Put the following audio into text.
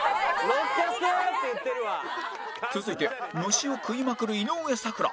続いて虫を食いまくる井上咲楽